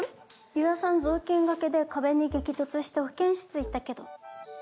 結愛さん雑巾がけで壁に激突して保健室行ったけど。